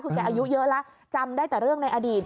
คือแกอายุเยอะแล้วจำได้แต่เรื่องในอดีต